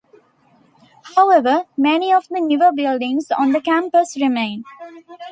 However, many of the newer buildings on the campus remain.